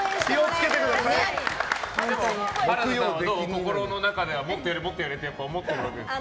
心の中ではもっとやれって思ってるわけですか？